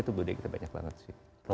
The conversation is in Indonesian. itu budaya kita banyak banget sih